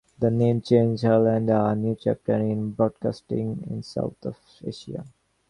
The name change heralded a new chapter in broadcasting in South Asia.